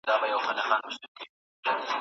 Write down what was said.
بېګانه چي مي بورجل وي زه به څنګه غزل لیکم